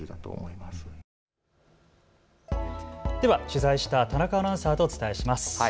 取材した田中アナウンサーとお伝えします。